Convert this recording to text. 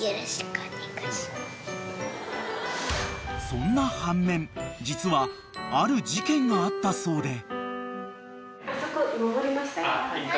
［そんな半面実はある事件があったそうで］